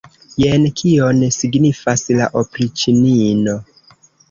Jen kion signifas la opriĉnino!